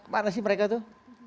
mana sih mereka tuh